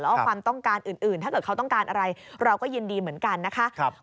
แล้วก็ความต้องการอื่นถ้าเกิดเขาต้องการอะไรเราก็ยินดีเหมือนกันนะคะ